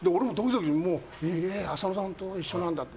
浅野さんと一緒なんだって。